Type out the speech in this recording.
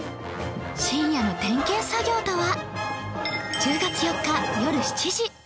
深夜の点検作業とは？